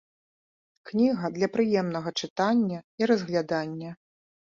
Кніга для прыемнага чытання і разглядання.